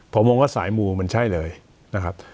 ผมมองว่าสายมูมันใช่เลยนะครับ